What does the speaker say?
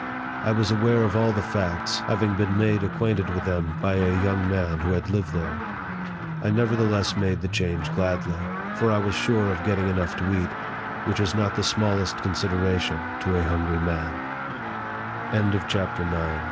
I was aware of all the facts, having been made acquainted with them by a young man who had lived there. I nevertheless made the change gladly ; for I was sure of getting enough to eat, which is not the smallest consideration to a hungry man. 58 NARRATIVE OF THE CHAPTER X.